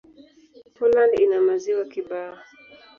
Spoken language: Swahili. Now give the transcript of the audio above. Poland ina maziwa kibao.